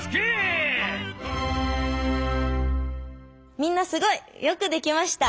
みんなすごい！よくできました！